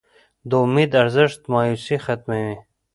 د امید ارزښت مایوسي ختموي.